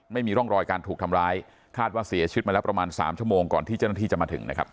ไม่มีร่องรอยการถูกทำร้ายคาดว่าเสียชีวิตมาแล้วประมาณ๓ชั่วโมงก่อนที่เจ้าหน้าที่จะมาถึงนะครับ